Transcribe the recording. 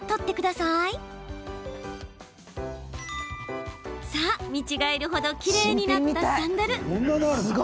さあ、見違えるほどきれいになったサンダル。